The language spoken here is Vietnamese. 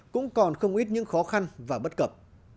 cũng còn không ít những khó khăn và bất cập